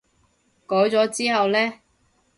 改咗之後呢？